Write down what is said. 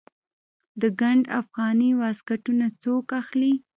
د ګنډ افغاني واسکټونه څوک اخلي؟